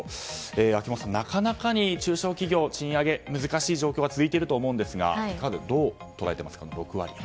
秋元さん、なかなかに中小企業は賃上げ、難しい状況が続いていると思うんですがどう捉えていますか？